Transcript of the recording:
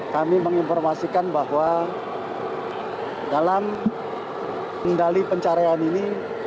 kami menginformasikan bahwa dalam kendali pencarian ini